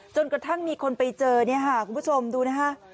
จนกระทั่งมีคนไปเจอคุณผู้ชมดูนะฮะ